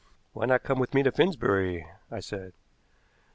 "Why not come with me to Finsbury?" I said.